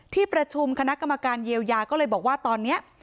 ที่ประชุมคณะกรรมการเยียวยาก็เลยบอกว่าตอนนี้